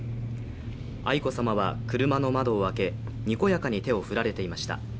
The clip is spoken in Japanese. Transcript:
愛子さまは車の窓を開けにこやかに手を振られていました。